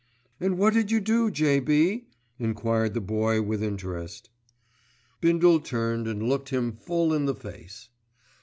"And what did you do, J.B.?" enquired the Boy with interest. Bindle turned and looked him full in the face.